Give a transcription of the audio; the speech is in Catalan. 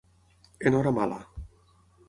En hora mala.